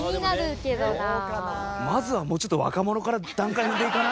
まずはもうちょっと若者から段階踏んでいかない？